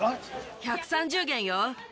１３０元！